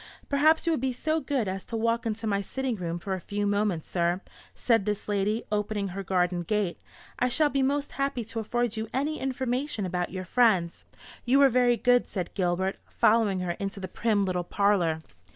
"Perhaps you would be so good as to walk into my sitting room for a few moments, sir," said this lady, opening her garden gate. "I shall be most happy to afford you any information about your friends." "You are very good," said Gilbert, following her into the prim little parlour.